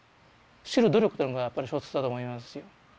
知る努力というのがやっぱり小説だと思いますし。